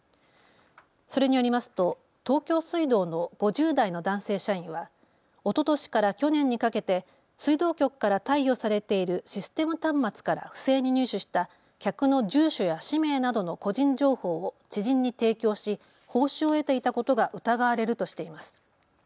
それによりますと東京水道の５０代の男性社員はおととしから去年にかけて水道局から貸与されているシステム端末から不正に入手した客の住所や氏名などの個人情報を知人に提供し報酬を得ていたことが疑われるとしています。